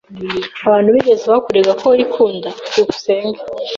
Abantu bigeze bakurega ko wikunda? byukusenge